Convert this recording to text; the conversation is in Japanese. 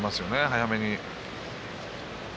早めに。